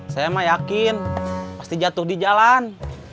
saya mah yakin pasti jatuh di jalan